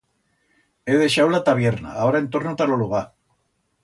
He deixau la tabierna, agora en torno ta lo lugar.